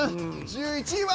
１１位は。